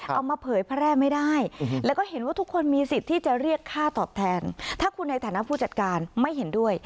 เอามาเผยแพร่ไม่ได้แล้วก็เห็นว่าทุกคนมีสิทธิ์ที่จะเรียกค่าตอบแทนถ้าคุณในฐานะผู้จัดการไม่เห็นด้วย